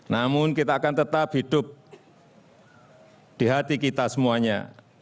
namun kita akan tetap hidup di hati kita semuanya